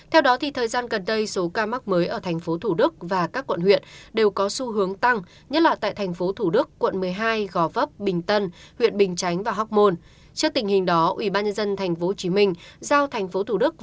hãy đăng ký kênh để ủng hộ kênh của chúng mình nhé